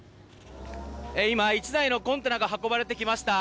今、１台のコンテナが運ばれてきました。